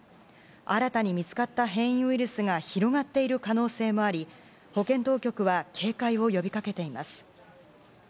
新たに見つかった変異ウイルスが広がっている可能性もあり保健当局は警戒を呼びかけています。